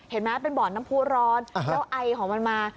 เห็นไหมเป็นบ่อนน้ำผู้ร้อนแล้วไอของมันมา